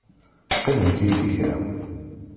Qqimemt yid-i kra.